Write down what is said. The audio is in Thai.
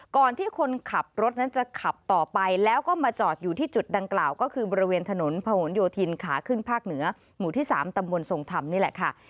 ก่อนที่คนขับรถนั้นจะขับต่อไปแล้วก็มาจอดอยู่ที่จุดดังกล่าวก็คือบริเวณถนนพะหนโยธินขาขึ้นภาคเหนือหมู่ที่๓ตำบลทรงธรรมนี่แหละค่ะ